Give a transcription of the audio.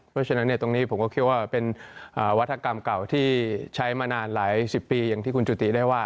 เพราะฉะนั้นตรงนี้ผมก็คิดว่าเป็นวัฒกรรมเก่าที่ใช้มานานหลายสิบปีอย่างที่คุณจุติได้ว่า